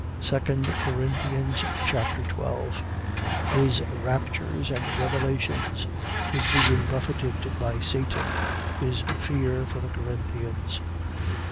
2 Corinthians Chapter 12 His raptures and revelations, His being buffeted by Satan. His fear for the Corinthians.